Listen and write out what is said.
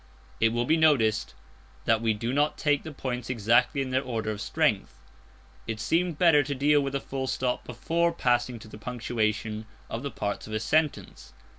It will be noticed that we do not take the points exactly in their order of strength. It seemed better to deal with the full stop before passing to the punctuation of the parts of a sentence.